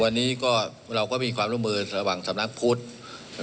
วันนี้ก็เราก็มีความร่วมมือระหว่างสำนักพุทธ